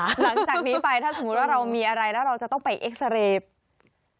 หลังจากนี้ไปถ้าสมมุติว่าเรามีอะไรแล้วเราจะต้องไปเอ็กซาเรย์